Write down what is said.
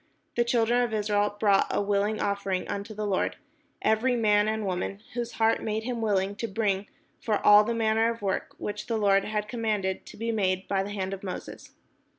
The children of Israel brought a willing offering unto the Lord, every man and woman, whose heart made them willing to bring for all manner of work, which the Lord had commanded to be made by the hand of Moses.